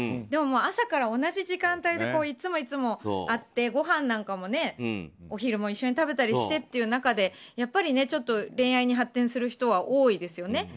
でも朝から同じ時間帯でいつもいつも会ってごはんなんかも、お昼を一緒に食べたりしてという中でやっぱり恋愛に発展する人は多いですよね。